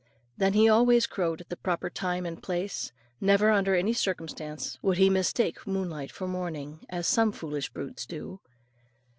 Then he always crowed at the proper time and place; never, under any circumstance, would he mistake moonlight for morning, as some foolish brutes do.